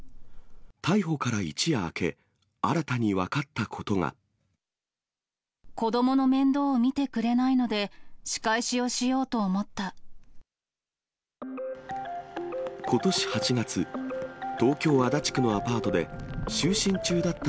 逮捕から一夜明け、新たに分かっ子どもの面倒を見てくれないので、仕返しをしようと思った。